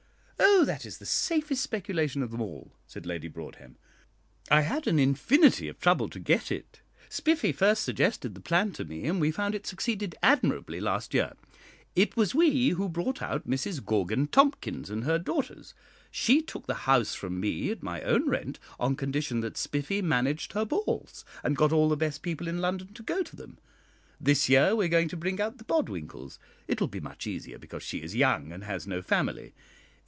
"Oh, that is the safest speculation of them all," said Lady Broadhem. "I had an infinity of trouble to get it. Spiffy first suggested the plan to me, and we found it succeed admirably last year. It was we who brought out Mrs Gorgon Tompkins and her daughters. She took the house from me at my own rent on condition that Spiffy managed her balls, and got all the best people in London to go to them. This year we are going to bring out the Bodwinkles. It will be much easier, because she is young, and has no family.